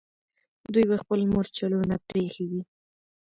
دوی به خپل مرچلونه پرېښي وي.